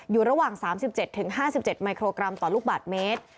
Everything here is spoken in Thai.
อยู่ระหว่าง๓๗๕๗มิโครกรัมต่อลูกบาทเมตร